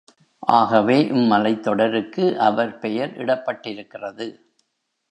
ஆகவே, இம்மலைத் தொடருக்கு அவர் பெயர் இடப்பட்டிருக்கிறது.